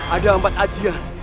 ada empat ajian